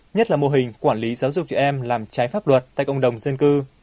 nhất là mô hình quản lý giáo dục trẻ em làm trái pháp luật tại công đồng dân cư